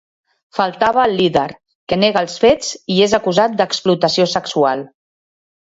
Faltava el líder, que nega els fets i és acusat d'explotació sexual.